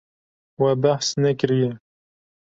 We behs nekiriye.